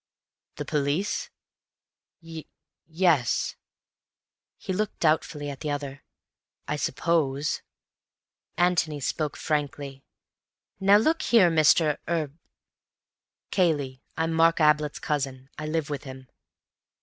"The police? Y yes." He looked doubtfully at the other. "I suppose—" Antony spoke frankly. "Now, look here, Mr.—er—" "Cayley. I'm Mark Ablett's cousin. I live with him."